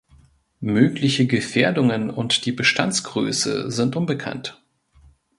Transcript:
Mögliche Gefährdungen und die Bestandsgröße sind unbekannt.